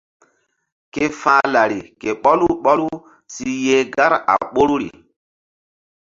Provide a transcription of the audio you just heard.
Ke fa̧h lari ke ɓɔlu ɓɔlu si yeh gar a ɓoruri.